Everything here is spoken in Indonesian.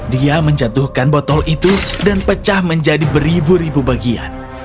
dia menjatuhkan botol itu dan pecah menjadi beribu ribu bagian